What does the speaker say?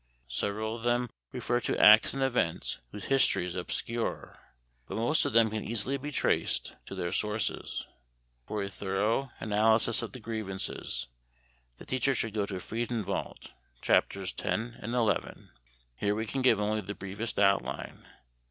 Several of them refer to acts and events whose history is obscure, but most of them can easily be traced to their sources. For a thorough analysis of the grievances, the teacher should go to Friedenwald, Chapters X and XI. Here we can give only the briefest outline.